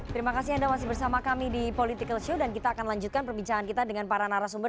terima kasih anda masih bersama kami di political show dan kita akan lanjutkan perbincangan kita dengan para narasumber